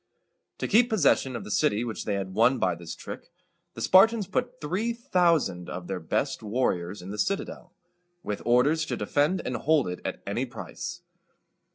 To keep possession of the city which they had won by this trick, the Spartans put three thousand of their best warriors in the citadel, with orders to defend and hold it at any price.